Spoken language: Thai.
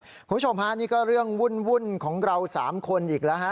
คุณผู้ชมฮะนี่ก็เรื่องวุ่นของเรา๓คนอีกแล้วฮะ